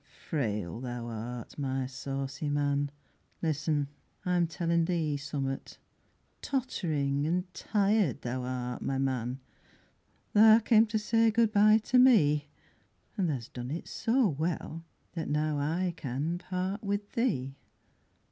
Frail thou art, my saucy man, Listen, I'm tellin' thee summat. Tottering and tired thou art, my man, Tha came to say good bye to me, An' tha's done it so well, that now I can Part wi' thee.